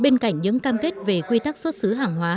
bên cạnh những cam kết về quy tắc xuất xứ hàng hóa